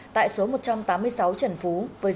tại số một trăm tám mươi sáu trần phú